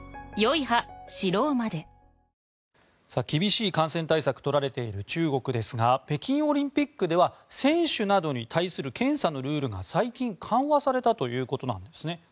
厳しい感染対策を取られている中国ですが北京オリンピックでは選手などに対する検査のルールが最近緩和されたということなんですね。